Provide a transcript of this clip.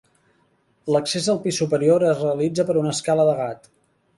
L'accés al pis superior es realitza per una escala de gat.